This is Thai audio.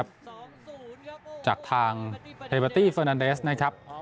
สองศูนย์ครับจากทางเฮเบอร์ตี้เฟอร์นันเดสนะครับ